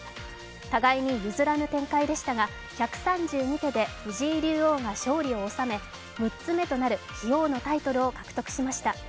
互いに譲らぬ展開でしたが１３２手で藤井竜王が勝利を収め、６つ目となる棋王のタイトルを獲得しました。